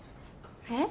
えっ？